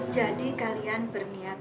jadi kalian berniat